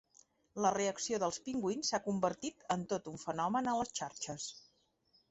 La reacció dels pingüins s’ha convertit en tot un fenomen a les xarxes.